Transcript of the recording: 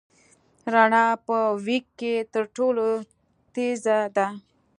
رڼا په وېګ کي تر ټولو تېزه ده.